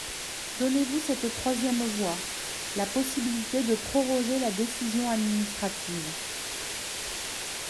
Donnez-vous cette troisième voie : la possibilité de proroger la décision administrative.